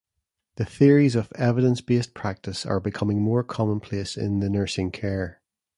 The theories of evidence based practice are becoming more commonplace in the nursing care.